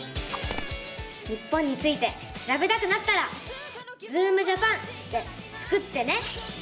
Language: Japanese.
日本についてしらべたくなったら「ズームジャパン」でスクってね！